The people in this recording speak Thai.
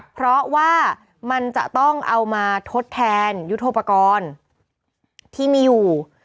เพราะว่ามันจะต้องเอามาทดแทนยุทธโปรกรณ์ที่มีอยู่